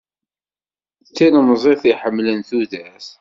D tilemẓit iḥemmlen tudert.